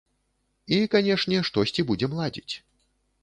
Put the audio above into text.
І канешне, штосьці будзем ладзіць.